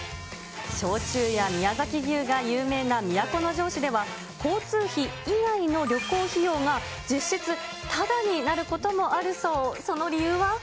焼酎や宮崎牛が有名な都城市では、交通費以外の旅行費用が実質ただになることもあるそう。